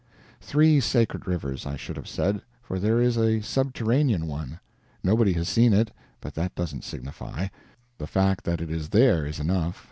Three sacred rivers, I should have said, for there is a subterranean one. Nobody has seen it, but that doesn't signify. The fact that it is there is enough.